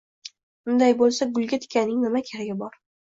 unday bo‘lsa, gulga tikanning nima keragi bor?